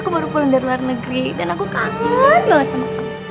aku baru pulang dari luar negeri dan aku kangen banget sama aku